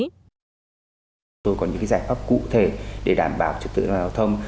chúng tôi có những giải pháp cụ thể để đảm bảo trực tượng giao thông